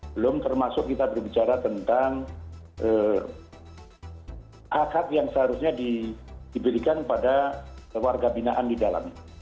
belum termasuk kita berbicara tentang hak hak yang seharusnya diberikan kepada warga binaan di dalamnya